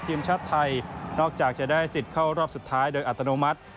ทีมชาติไทยนอกจากจะได้สิทธิ์เข้ารอบสุดท้ายโดยอัตโนมัติ